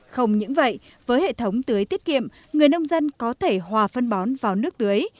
không những vậy với hệ thống tưới tiết kiệm người nông dân có thể hòa phân bón vào nước tưới